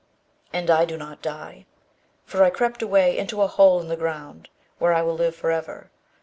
And I do not die. For I crept away into a hole in the ground, where I will live forever.